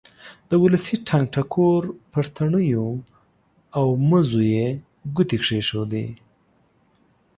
د ولسي ټنګ ټکور پر تڼیو او مزو یې ګوتې کېښودې.